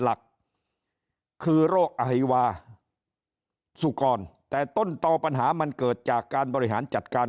หลักคือโรคไอวาสุกรแต่ต้นต่อปัญหามันเกิดจากการบริหารจัดการ